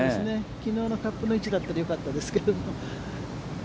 きのうのカップの位置だったらよかったですけども。